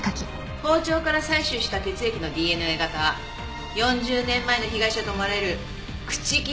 包丁から採取した血液のＤＮＡ型は４０年前の被害者と思われる朽木武二さんのものと一致した。